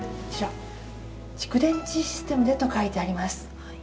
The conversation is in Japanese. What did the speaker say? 蓄電池システムでと書いてあります。